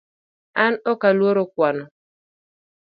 An ok aluoro kwano